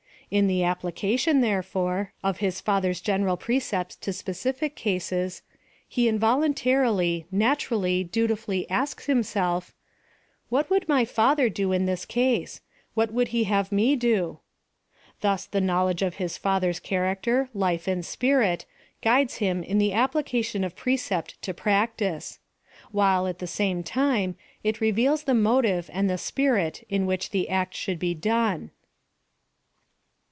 In the application, therefore, of his father's general pre cepts to specific cases, he involuntarily, naturally dutifully asks himself, What would my father do in this case ? What would he have me do ? Thus the knowledge of his father's character, life, and spirit, guides him in the application of precept to practice ; while, at the same time, it reveals the motive and the spirit in which the act should be done.